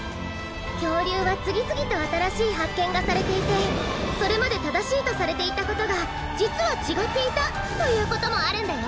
きょうりゅうはつぎつぎとあたらしいはっけんがされていてそれまでただしいとされていたことがじつはちがっていたということもあるんだよ！